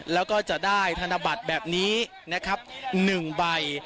แล้วก็จะได้ธนบัตรแบบนี้นะครับ๑ใบ